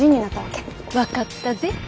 分かったぜ。